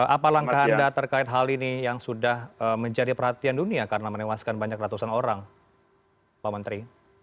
apa langkah anda terkait hal ini yang sudah menjadi perhatian dunia karena menewaskan banyak ratusan orang pak menteri